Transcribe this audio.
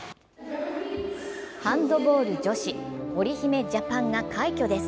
ハンドボール女子おりひめジャパンが快挙です。